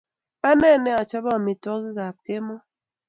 Ane ne achope amitwogikap kemoi